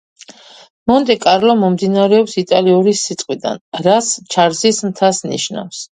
მონტე-კარლო მომდინარეობს იტალიური სიტყვიდან, რაც „ჩარლზის მთას“ ნიშნავს.